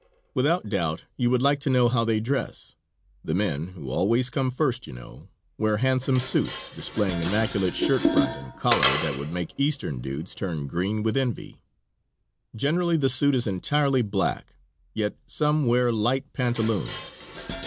Without doubt you would like to know how they dress; the men who always come first, you know wear handsome suits, displaying immaculate shirt front and collar that would make Eastern dudes turn green with envy. Generally the suit is entirely black, yet some wear light pantaloons.